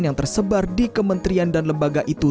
yang tersebar di kementerian dan lembaga itu